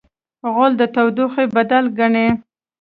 غول د تودوخې بدلون ګڼي.